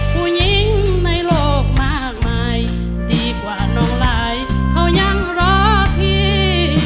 ผู้หญิงในโลกมากมายดีกว่าน้องลายเขายังรอพี่